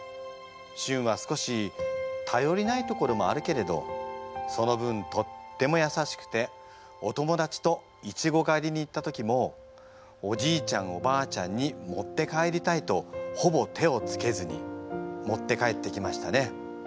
しゅんは少したよりないところもあるけれどその分とってもやさしくてお友達といちごがりに行った時もおじいちゃんおばあちゃんに持って帰りたいとほぼ手をつけずに持って帰ってきましたね。